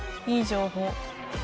いい情報。